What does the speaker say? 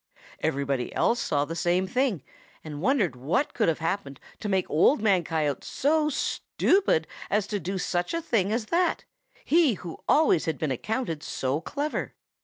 Everybody else saw the same thing, and wondered what could have happened to make Old Man Coyote so stupid as to do such a thing as that, he who always had been accounted so clever.